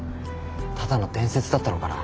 ただの伝説だったのかな。